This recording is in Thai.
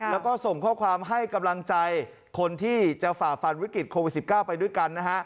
แล้วก็ส่งข้อความให้กำลังใจคนที่จะฝ่าฟันวิกฤตโควิด๑๙ไปด้วยกันนะฮะ